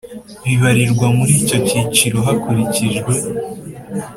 Bibarirwa muri icyo cyiciro hakurikijwe